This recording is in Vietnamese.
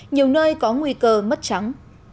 nhiều nơi có nguy cơ mất trắng